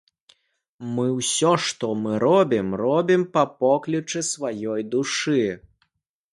Мы ж усё, што мы робім, робім па поклічы сваёй душы.